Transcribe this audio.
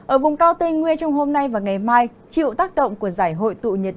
ở vùng cao tây nguyên trong hôm nay và ngày mai chịu tác động của giải hội tụ nhiệt